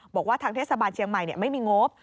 บอกว่าทางเทศบาลเชียงใหม่ไม่มีงบ